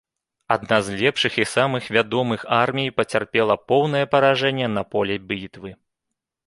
Адна з лепшых і самых вядомых армій пацярпела поўнае паражэнне на поле бітвы.